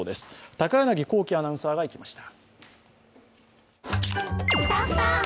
高柳光希アナウンサーが行きました。